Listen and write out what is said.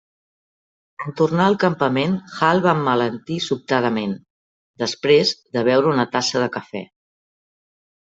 En tornar al campament Hall va emmalaltir sobtadament, després de beure una tassa de cafè.